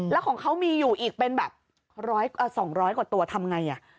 แล้วของเขามีอยู่อีกเป็นแบบ๒๐๐กว่าตัวทำไง